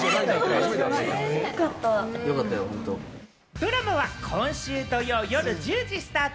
ドラマは今週土曜夜１０時スタート。